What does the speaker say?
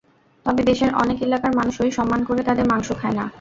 তবে দেশের অনেক এলাকার মানুষই সম্মান করে এদের মাংস খায় না।